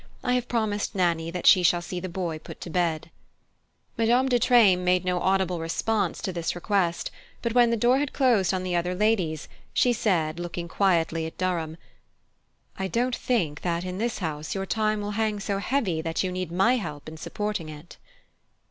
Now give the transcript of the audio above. I have promised Nannie that she shall see the boy put to bed." Madame de Treymes made no audible response to this request, but when the door had closed on the other ladies she said, looking quietly at Durham: "I don't think that, in this house, your time will hang so heavy that you need my help in supporting it."